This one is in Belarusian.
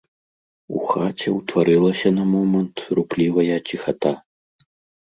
У хаце ўтварылася на момант руплівая ціхата.